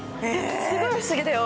すごい不思議だよ。